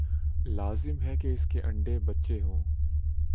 لازم ہے کہ اس کے انڈے بچے ہوں۔